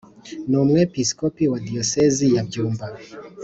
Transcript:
N umwepisikopi wa diyosezi ya byumba